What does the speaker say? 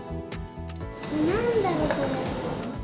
なんだろう、これ？